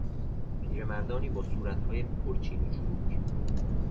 پیرمردانی با صورتهای پرچین و چروک